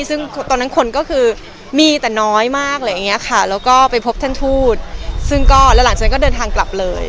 ซึ่งตอนนั้นคนก็คือมีแต่น้อยมากแล้วก็ไปพบท่านทูตซึ่งก็แล้วหลังจากนั้นก็เดินทางกลับเลย